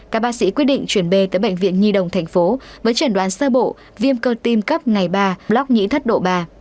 các bác sĩ quyết định chuyển b tới bệnh viện nhi đồng thành phố với chẩn đoán sơ bộ viêm cơ tim cấp ngày ba block nhĩ thất độ ba